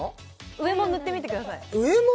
上も塗ってみてください上も！？